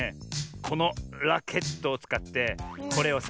このラケットをつかってこれをさ